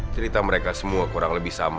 cerita mereka semua kurang lebih sama